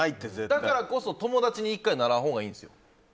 だからこそ友達に１回ならないほうがいいんですよ。